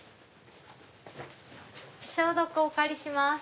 消毒お借りします。